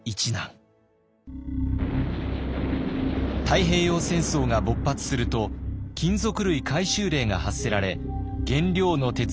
太平洋戦争が勃発すると金属類回収令が発せられ原料の鉄が入手困難に。